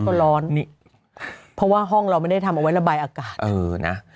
เพราะร้อนเพราะว่าห้องเราไม่ได้ทำเอาไว้ระบายอากาศ